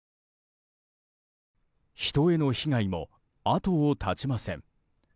人への被害も後を絶ちません。